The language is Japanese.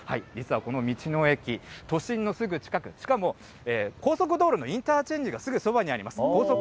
実はこの道の駅、都心のすぐ近く、しかも高速道路のインターチェンジがすぐそばにあります。